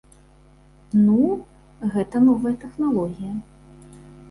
Ну, гэта новая тэхналогія.